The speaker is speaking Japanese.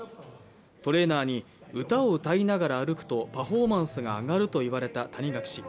トレーナーに歌を歌いながら歩くとパフォーマンスが上がると言われた、谷垣氏。